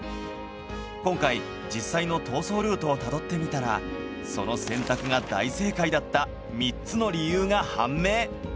今回実際の逃走ルートをたどってみたらその選択が大正解だった３つの理由が判明